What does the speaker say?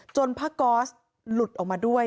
จนพระกอสหลุดออกมาด้วย